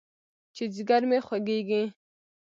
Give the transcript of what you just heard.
چې ځيگر مې خوږېږي.